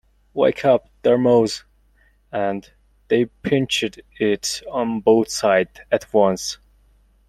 ‘Wake up, Dormouse!’ And they pinched it on both sides at once.